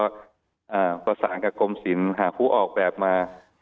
ก็ประสานกับกรมศิลป์หาคู่ออกแบบมา